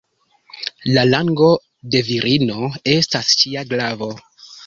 La lango de virino estas ŝia glavo.